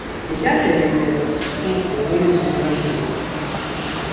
Ekyateeberezebwa si kituufu olw'ensonga zino.